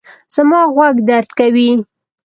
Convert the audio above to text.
زما غوږ درد کوي